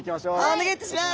お願いいたします。